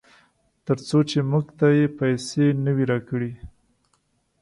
ترڅو چې موږ ته یې پیسې نه وي راکړې.